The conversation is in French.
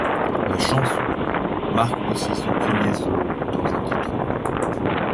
La chanson ' marque aussi son premier solo dans un titre du groupe.